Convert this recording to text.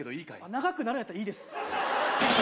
長くなるんやったらいいです